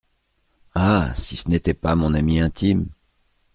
Ah ! si ce n’était pas mon ami intime !…